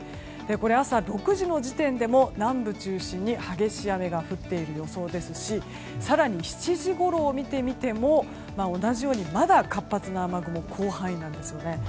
朝６時の時点でも南部中心に激しい雨が降っている予想ですし更に７時ごろを見てみても同じように、まだ活発な雨雲が広範囲なんですよね。